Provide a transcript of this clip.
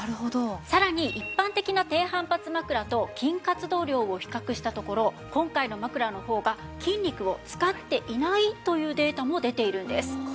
さらに一般的な低反発枕と筋活動量を比較したところ今回の枕の方が筋肉を使っていないというデータも出ているんです。